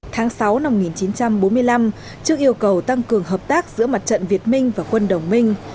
tháng sáu năm một nghìn chín trăm bốn mươi năm trước yêu cầu tăng cường hợp tác giữa mặt trận việt minh và quân đồng minh